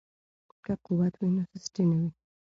که قوت وي نو سستي نه وي.